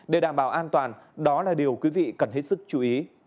để đảm bảo an toàn đó là điều quý vị cần hết sức chú ý